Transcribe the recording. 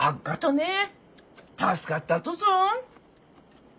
助かったとぞ。